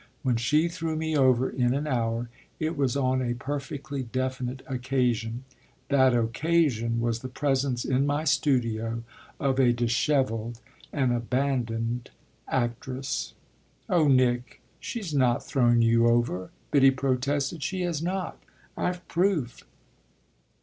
When she threw me over in an hour it was on a perfectly definite occasion. That occasion was the presence in my studio of a dishevelled, an abandoned actress." "Oh Nick, she has not thrown you over!" Biddy protested. "She has not I've proof."